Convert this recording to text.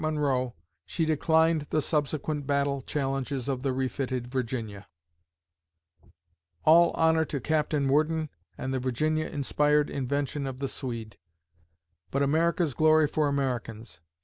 Monroe, she declined the subsequent battle challenges of the refitted Virginia. All honor to Capt. Worden and the Virginia inspired invention of the Swede; but "America's glory for Americans."